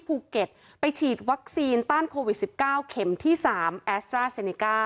ภูเก็ตไปฉีดวัคซีนต้านโควิดสิบเก้าเข็มที่สามแอสเตอร์แซนิกา